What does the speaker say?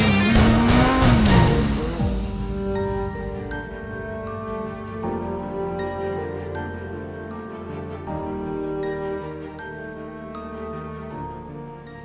pak aku mau ke sana